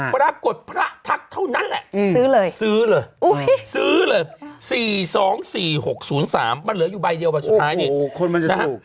ปรากฏพระทักเท่านั้นแหละซื้อเลย๔๒๔๖๐๓มันเหลืออยู่ใบเดียวบันสุดท้ายนี่คนมันจะถูก